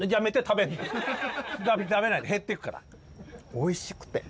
おいしくて！